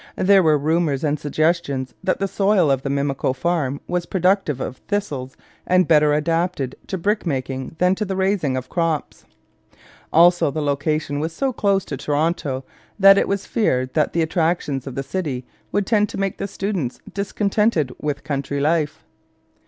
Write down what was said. There were rumours and suggestions that the soil of the Mimico farm was productive of thistles and better adapted to brick making than to the raising of crops. Also the location was so close to Toronto that it was feared that the attractions of the city would tend to make the students discontented with country life.